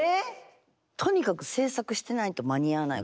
とにかく制作してないと間に合わない